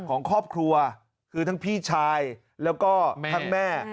ของครอบครัวคือทั้งพี่ชายแล้วก็ทั้งแม่